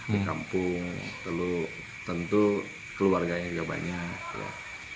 di kampung tentu keluarganya juga banyak loh